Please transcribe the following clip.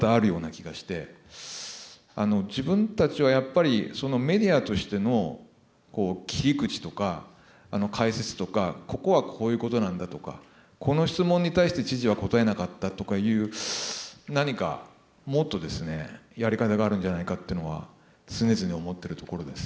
自分たちはやっぱりメディアとしての切り口とか解説とかここはこういうことなんだとかこの質問に対して知事は答えなかったとかいう何かもっとですねやり方があるんじゃないかっていうのは常々思ってるところです。